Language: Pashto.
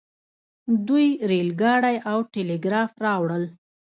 دوی ریل ګاډی او ټیلیګراف راوړل.